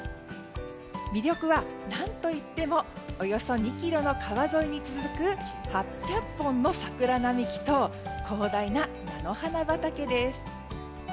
魅力は何といってもおよそ２ｋｍの川沿いに続く８００本の桜並木と広大な菜の花畑です。